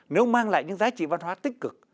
nếu mang lại những giá trị văn hóa tích cực